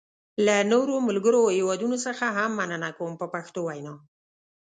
له نورو ملګرو هېوادونو څخه هم مننه کوم په پښتو وینا.